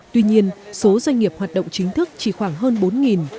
tuy nhiên số doanh nghiệp hoạt động chính thức chỉ khoảng hơn bốn